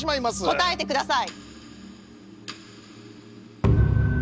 答えてください！